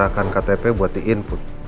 akan ktp buat di input